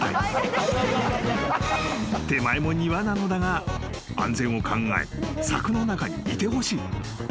［手前も庭なのだが安全を考え柵の中にいてほしい］